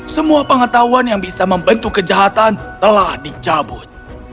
semua pengetahuan yang bisa membentuk kejahatan telah dicabut